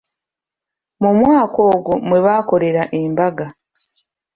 Mu mwaka ogwo mwe baakolera embaga.